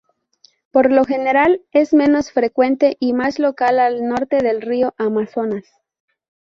Por lo general es menos frecuente y más local al norte del río Amazonas.